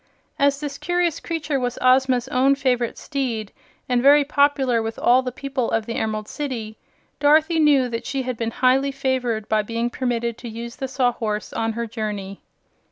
As this curious creature was Ozma's own favorite steed, and very popular with all the people of the Emerald City, Dorothy knew that she had been highly favored by being permitted to use the Sawhorse on her journey.